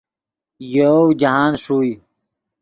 یوؤ جاہند ݰوئے